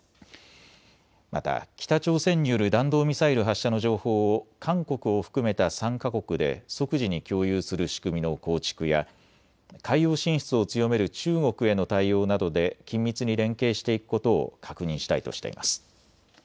また北朝鮮による弾道ミサイル発射の情報を韓国を含めた３か国で即時に共有する仕組みの構築や海洋進出を強める中国への対応などで緊密に連携していくことを確認したいとしています。